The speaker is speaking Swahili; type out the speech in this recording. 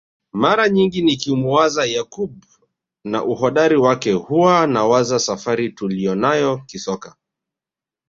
Mara nyingi nikimuwaza Yakub na uhodari wake huwa nawaza safari tuliyonayo kisoka